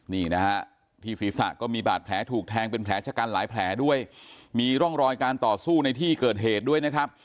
นี่นะฮะที่ศีรษะก็มีบาดแผลถูกแทงเป็นแผลชะกันหลายแผลด้วยมีร่องรอยการต่อสู้ในที่เกิดเหตุด้วยนะครับ